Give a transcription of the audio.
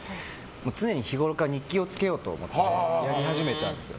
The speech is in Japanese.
常に日ごろから日記をつけようと思ってやり始めたんですよ。